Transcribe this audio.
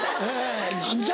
何じゃ！